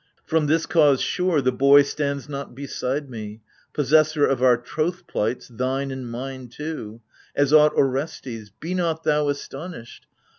From this cause, sure, the boy stands not beside me — Possessor of our troth plights, thine and mine too — As ought Orestes : be not thou astonished